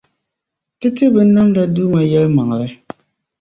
Ti ti binnamda Duuma yεlimaŋli.